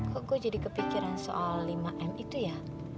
kok gue jadi kepikiran soal lima m itu ya